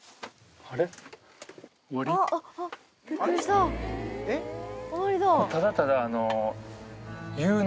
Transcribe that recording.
ただただ。